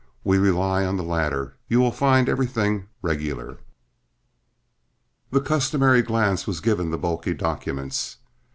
We rely on the latter; you will find everything regular." The customary glance was given the bulky documents.